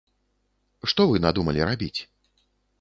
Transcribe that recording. Што вы надумалі рабіць?